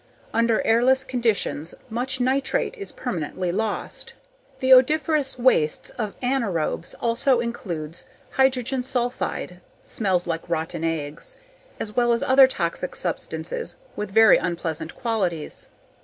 Under airless conditions much nitrate is permanently lost. The odiferous wastes of anaerobes also includes hydrogen sulfide (smells like rotten eggs), as well as other toxic substances with very unpleasant qualities.